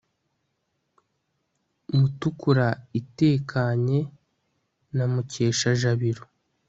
mutukura itekanye na mukeshajabiro